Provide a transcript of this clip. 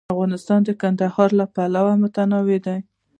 افغانستان د کندهار له پلوه متنوع دی.